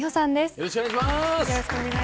よろしくお願いします。